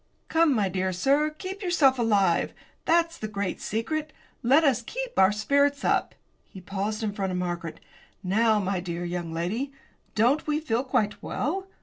"Come, my dear sir, keep yourself alive. That's the great secret; let us keep our spirits up!" he paused in front of Margaret. "Now, my dear young lady, don't we feel quite well?